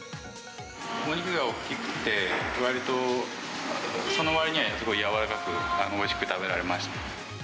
お肉が大きくて、わりと、そのわりには柔らかくおいしく食べられましたね。